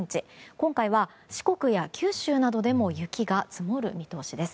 今回は四国や九州などでも雪が積もる見通しです。